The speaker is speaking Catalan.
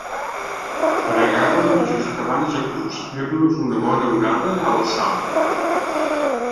Pregàvem just abans de cruspir-nos una bona orada a la sal.